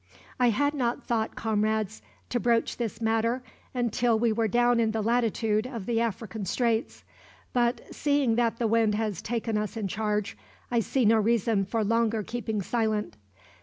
"I had not thought, comrades, to broach this matter until we were down in the latitude of the African Straits; but seeing that the wind has taken us in charge, I see no reason for longer keeping silent.